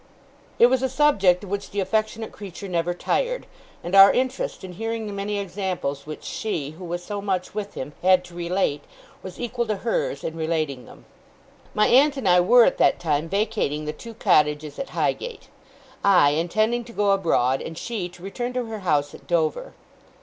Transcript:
It was a subject of which the affectionate creature never tired; and our interest in hearing the many examples which she, who was so much with him, had to relate, was equal to hers in relating them. My aunt and I were at that time vacating the two cottages at Highgate; I intending to go abroad, and she to return to her house at Dover.